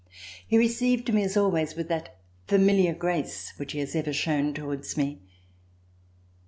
He received me as always with that familiar grace which he has ever shown towards me.